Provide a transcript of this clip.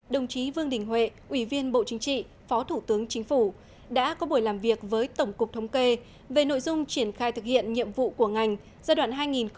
đồng chí vương đình huệ ủy viên bộ chính trị phó thủ tướng chính phủ đã có buổi làm việc với tổng cục thống kê về nội dung triển khai thực hiện nhiệm vụ của ngành giai đoạn hai nghìn một mươi sáu hai nghìn hai mươi